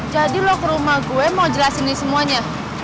jadi lo ke rumah gue mau jelasin ini semuanya